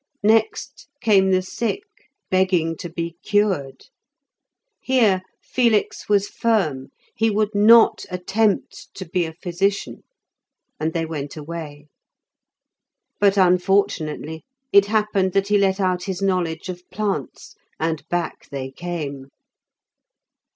Next came the sick begging to be cured. Here Felix was firm; he would not attempt to be a physician, and they went away. But, unfortunately, it happened that he let out his knowledge of plants, and back they came.